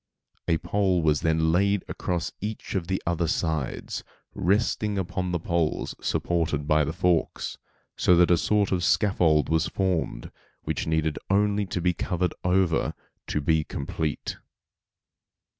A pole was then laid across each of the other sides, resting upon the poles supported by the forks, so that a sort of scaffold was formed, which needed only to be covered over to be complete.